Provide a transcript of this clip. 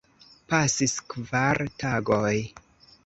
Pasis kvar tagoj.